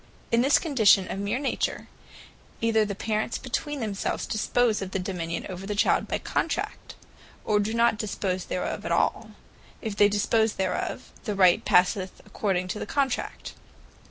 In this condition of meer Nature, either the Parents between themselves dispose of the dominion over the Child by Contract; or do not dispose thereof at all. If they dispose thereof, the right passeth according to the Contract.